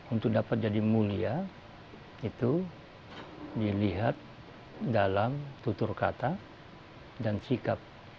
untuk dapat jadi mulia itu dilihat dalam tutur kata dan sikap